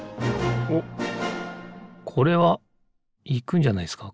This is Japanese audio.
おっこれはいくんじゃないですか